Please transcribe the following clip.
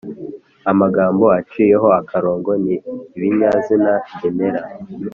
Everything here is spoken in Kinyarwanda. amagambo aciyeho akarongo ni ibinyazina ngenera